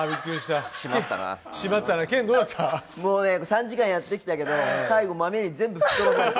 ３時間やってきたけど、最後、豆に全部吹き飛ばされた。